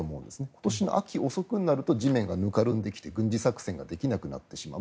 今年の秋遅くになると地面がぬかるんできて軍事作戦ができなくなってしまう。